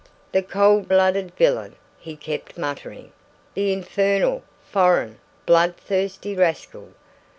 "The cold blooded villain!" he kept muttering; "the infernal, foreign, blood thirsty rascal!